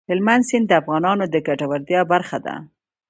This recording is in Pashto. هلمند سیند د افغانانو د ګټورتیا برخه ده.